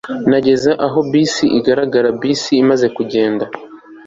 nageze aho bisi ihagarara bisi imaze kugenda